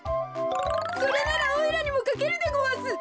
それならおいらにもかけるでごわす。